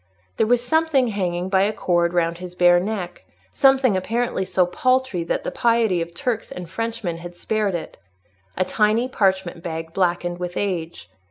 There was something hanging by a cord round his bare neck; something apparently so paltry that the piety of Turks and Frenchmen had spared it—a tiny parchment bag blackened with age.